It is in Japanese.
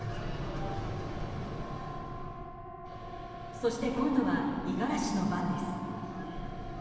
そして、今度は五十嵐の番です。